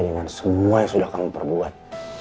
dengan semua yang sudah kamu perbuat